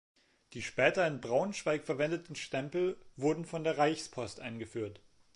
Die später in Braunschweig verwendeten Stempel wurden von der Reichspost eingeführt.